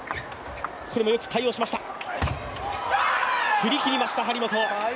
振り切りました、張本。